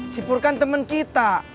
si pur kan temen kita